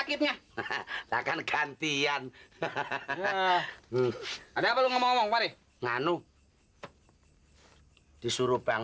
sakitnya akan gantian hahaha ada perlu ngomong ngomong hari lalu disuruh bang